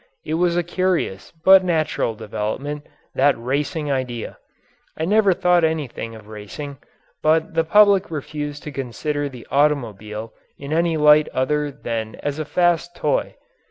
It was a curious but natural development that racing idea. I never thought anything of racing, but the public refused to consider the automobile in any light other than as a fast toy.